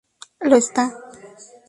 Lo está".